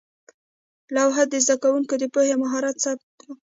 لوحه د زده کوونکو د پوهې او مهارت ثبت وه.